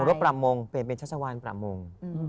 ประมงเปลี่ยนเป็นชัชวานประมง